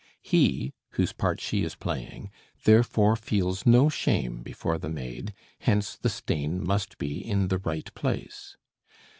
He whose part she is playing therefore feels no shame before the maid, hence the stain must be in the right place.